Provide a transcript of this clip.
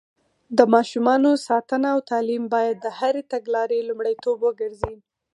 د ماشومانو ساتنه او تعليم بايد د هرې تګلارې لومړيتوب وګرځي.